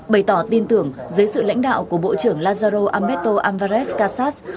bày tỏ tin tưởng dưới sự lãnh đạo của bộ trưởng lazaro alberto álvarez casas